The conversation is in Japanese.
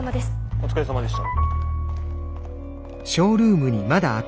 お疲れさまでした。